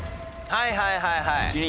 「はいはいはいはい」